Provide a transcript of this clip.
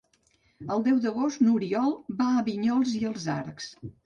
El deu d'agost n'Oriol va a Vinyols i els Arcs.